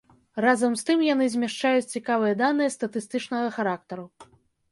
Разам з тым яны змяшчаюць цікавыя даныя статыстычнага характару.